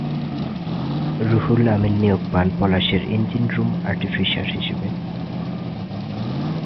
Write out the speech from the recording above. রুহুল আমিন নিয়োগ পান পলাশের ইঞ্জিন রুম আর্টিফিশার হিসেবে।